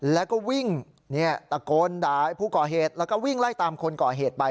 แล้วก็วิ่งตะโกนด่าผู้ก่อเหตุแล้วก็วิ่งไล่ตามคนก่อเหตุไป